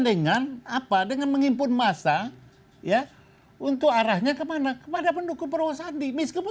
dengan apa dengan mengimpun masa ya untuk arahnya ke mana kepada pendukung perusahaan di miskipun